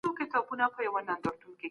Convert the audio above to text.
که همکاري روانه وي نو کار نه درېږي.